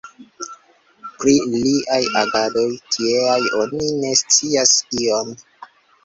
Pri liaj agadoj tieaj oni ne scias ion.